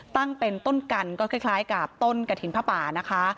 ตั้งเป็นต้นกันก็คล้ายกับต้นกระถิ่นผ้าป่านะคะ